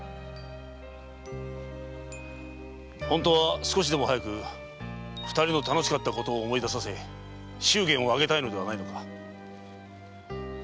本当は少しでも早く二人の楽しかったことを思い出させ祝言を挙げたいのではないのか？